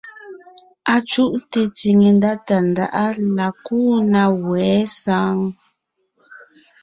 Acuʼte tsìŋe ndá Tàndáʼa la kúu na wɛ̌ saŋ ?